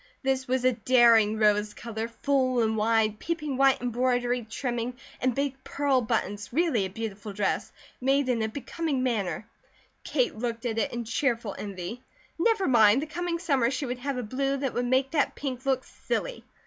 This was a daring rose colour, full and wide, peeping white embroidery trimming, and big pearl buttons, really a beautiful dress, made in a becoming manner. Kate looked at it in cheerful envy. Never mind! The coming summer she would have a blue that would make that pink look silly.